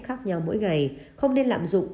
khác nhau mỗi ngày không nên lạm dụng